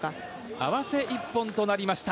合わせ一本となりました。